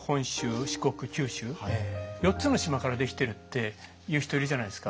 四国九州４つの島からできてるって言う人いるじゃないですか。